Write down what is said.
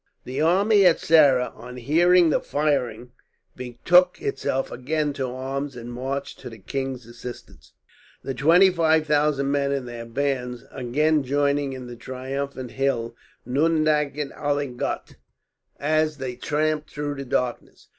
The army at Saara, on hearing the firing, betook itself again to arms and marched to the king's assistance, the twenty five thousand men and their bands again joining in the triumphant hymn, "Nun danket alle Gott," as they tramped through the darkness.